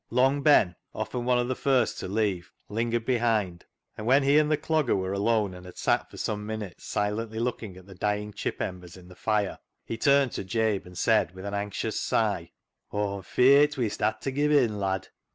Long Ben, often one of the first to leave, lingered behind, and when he and the Clogger were alone and had sat for some minutes silently looking at the dying chip embers in the fire, he turned to Jabe and said, with an anxious sigh, —" Aw'm feart wee'st ha' ta give in, lad."